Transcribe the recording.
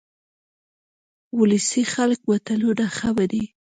ولسي خلک متلونه ښه مني